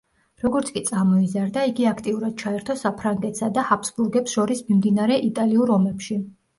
როგორც კი წამოიზარდა, იგი აქტიურად ჩაერთო საფრანგეთსა და ჰაბსბურგებს შორის მიმდინარე იტალიურ ომებში.